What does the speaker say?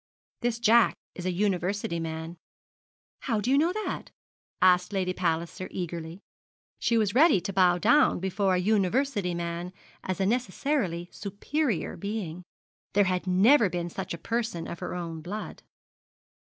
This Jack is a University man.' 'How do you know that?' asked Lady Palliser, eagerly. She was ready to bow down before a University man as a necessarily superior being. There had never been such a person of her own blood.